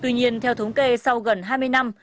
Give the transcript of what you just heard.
tuy nhiên theo thống kê sau gần hai mươi năm